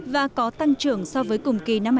và có tăng trưởng so với cùng kỳ năm hai nghìn một mươi tám